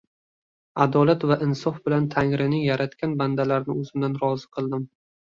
Adolat va insof bilan Tangrining yaratgan bandalarini o‘zimdan rozi qildim.